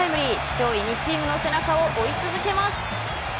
上位２チームの背中を追い続けます。